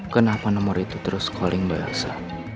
kenapa nomor itu terus calling mbak elsa